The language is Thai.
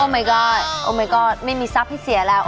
แม่บ้านประจันบัน